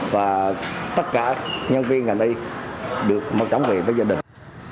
và tất cả nhân viên ngành y được mang chóng về với gia đình